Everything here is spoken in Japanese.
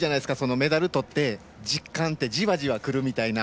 メダルとって、実感ってじわじわくるって。